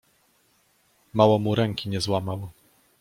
Mało mu ręki nie złamał.